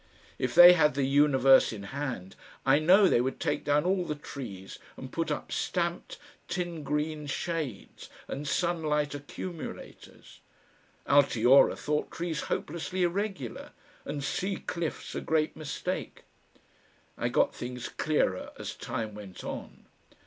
If they had the universe in hand I know they would take down all the trees and put up stamped tin green shades and sunlight accumulators. Altiora thought trees hopelessly irregular and sea cliffs a great mistake.... I got things clearer as time went on.